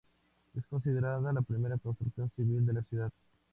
Es considerada la primera construcción civil de la ciudad.